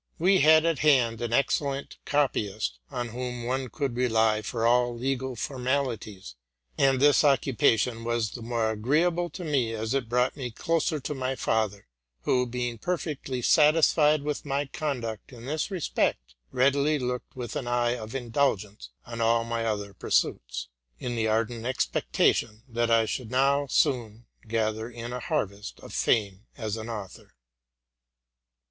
We had at hand an excellent copyist, on whom one could rely for all legal for malities ; and this occupation was the more agreeable to me, as it brought me closer to my father, who, being perfectly satisfied with my conduct in this respect, re: adily looked with an eye of indulgence on all my other pursuits, in the ardent expectation that I should now soon gather in a harvest of fame as an author.